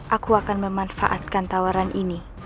aku akan memanfaatkan tawaran ini